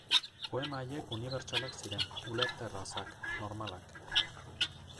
Poema haiek unibertsalak ziren, ulerterrazak, normalak.